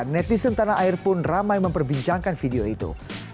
netizen tanah air pun ramai memperbincangkan video itu